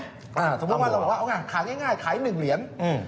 สมมุติว่าเราบอกว่าเอาไงขายง่ายง่ายขายหนึ่งเหรียญอืม